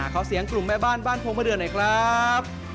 ขอเสียงกลุ่มแม่บ้านบ้านพรงมเดือหน่อยครับ